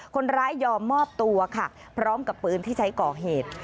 คนร้ายยอมมอบตัวค่ะพร้อมกับปืนที่ใช้ก่อเหตุ